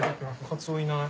カツオいない。